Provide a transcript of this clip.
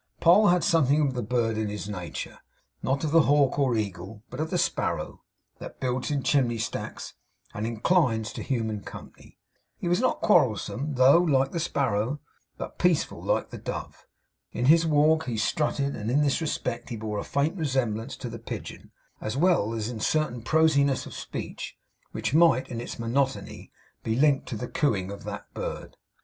Poll had something of the bird in his nature; not of the hawk or eagle, but of the sparrow, that builds in chimney stacks and inclines to human company. He was not quarrelsome, though, like the sparrow; but peaceful, like the dove. In his walk he strutted; and, in this respect, he bore a faint resemblance to the pigeon, as well as in a certain prosiness of speech, which might, in its monotony, be likened to the cooing of that bird.